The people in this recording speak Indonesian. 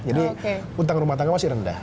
jadi utang rumah tangga masih rendah